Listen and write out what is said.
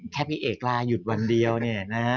ถ้าพี่เอกลาหยุดวันเดียวเนี่ยนะฮะ